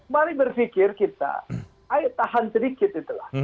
mari berpikir kita ayo tahan sedikit itulah